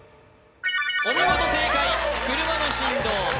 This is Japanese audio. お見事正解車の振動